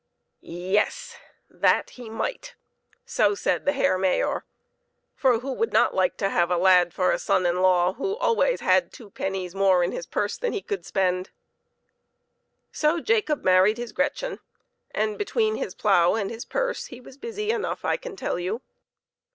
Yes ; that he might ! So said the Herr Mayor ; for who would not like to have a lad for a son in law who always had two pennies more in his purse than he could spend. Jacob and thC'/Aagic So Jacob married his Gretchen, and, between his plough and his purse, he was busy enough, I can tell you.